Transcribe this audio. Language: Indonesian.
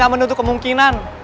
dan gak menutup kemungkinan